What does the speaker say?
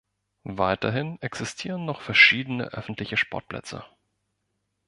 Weiterhin existieren noch verschiedene öffentliche Sportplätze.